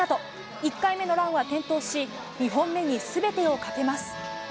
１回目のランは転倒し２本目に全てをかけます。